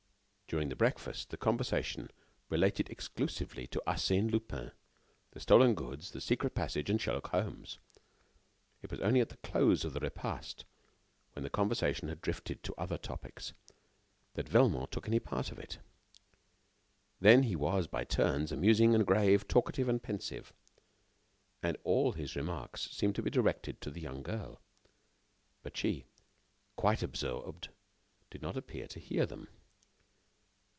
During the breakfast, the conversation related exclusively to Arsène Lupin, the stolen goods, the secret passage, and Sherlock Holmes. It was only at the close of the repast, when the conversation had drifted to other subjects, that Velmont took any part in it. Then he was, by turns, amusing and grave, talkative and pensive. And all his remarks seemed to be directed to the young girl. But she, quite absorbed, did not appear to hear them.